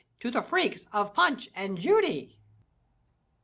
To the freaks oj Punch and Judy!